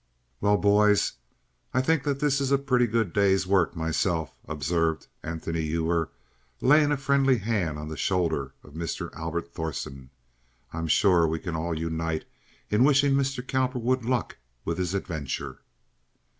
"Well, boys, I think this is a pretty good day's work myself," observed Anthony Ewer, laying a friendly hand on the shoulder of Mr. Albert Thorsen. "I'm sure we can all unite in wishing Mr. Cowperwood luck with his adventure."